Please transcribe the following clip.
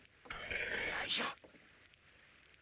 よいしょ。